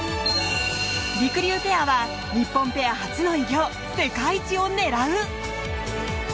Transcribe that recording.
りくりゅうペアは日本ペア初の偉業世界一を狙う。